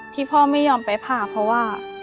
ที่พ่อไม่ยอมไปผ่าเพราะว่า